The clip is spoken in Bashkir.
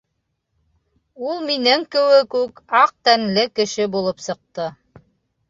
Ул минең кеүек үк аҡ тәнле кеше булып сыҡты.